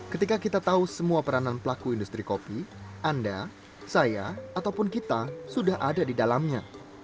ketika kita tahu semua peranan pelaku industri kopi anda saya ataupun kita sudah ada di dalamnya